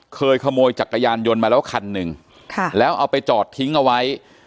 ขโมยจักรยานยนต์มาแล้วคันหนึ่งค่ะแล้วเอาไปจอดทิ้งเอาไว้